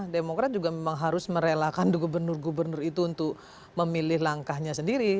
demokrat juga memang harus merelakan gubernur gubernur itu untuk memilih langkahnya sendiri